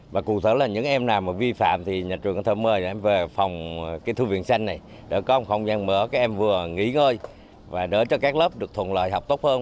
và cụ thở là những em nào mà vi phạm thì nhà trường có thể mời em về phòng cái thư viện xanh này để có một không gian mở các em vừa nghỉ ngơi và để cho các lớp được thuận lợi học tốt hơn